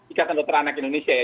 ikatan dokter anak indonesia ya